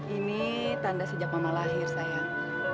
ini tanda sejak mama lahir sayang